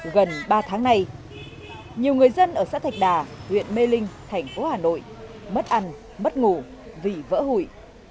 gần ba tháng nay nhiều người dân ở xã thạch đà huyện mê linh thành phố hà nội mất ăn mất ngủ vì vỡ hụi